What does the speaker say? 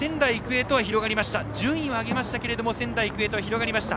順位は上げましたが仙台育英とは広がりました。